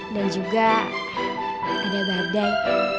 dan juga ada badai